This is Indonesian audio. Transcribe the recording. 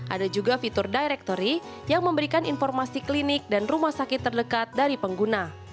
ada juga fitur directory yang memberikan informasi klinik dan rumah sakit terdekat dari pengguna